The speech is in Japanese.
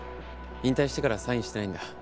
引退してからサインしてないんだ。